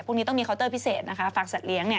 นี้ต้องมีเคาน์เตอร์พิเศษนะคะฝากสัตว์เนี่ย